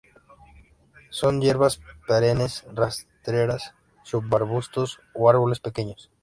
Son hierbas perennes rastreras, subarbustos o árboles pequeños.